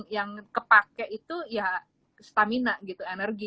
yang kepake itu ya stamina gitu energi